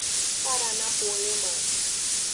Paranapoema